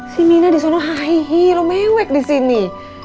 si mina disana haihi lo mewek disini